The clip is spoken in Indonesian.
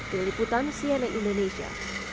diliputan siene indonesia